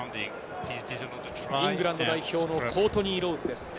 イングランド代表のコートニー・ロウズです。